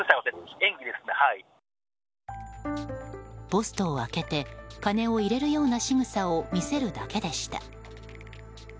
ポストを開けて金を入れるようなしぐさを見せるだけでした。